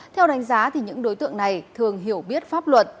theo đánh giá những đối tượng này thường hiểu biết pháp luật